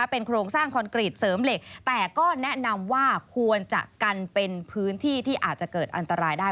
เป็นโครงสร้างคอนกรีตเสริมเหล็กแต่ก็แนะนำว่าควรจะกันเป็นพื้นที่ที่อาจจะเกิดอันตรายได้